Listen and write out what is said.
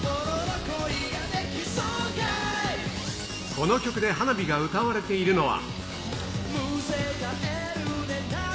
この曲で花火が歌われているのは。